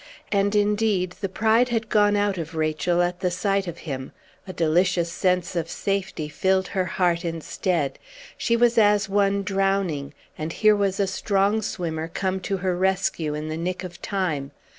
And indeed the pride had gone out of Rachel at sight of him; a delicious sense of safety filled her heart instead. She was as one drowning, and here was a strong swimmer come to her rescue in the nick of time.